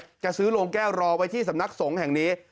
จะซื้อโรงแก้วรอไว้ที่สำนักสงฆ์แห่งนี้